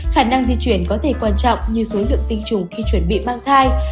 khả năng di chuyển có thể quan trọng như số lượng tinh trùng khi chuẩn bị mang thai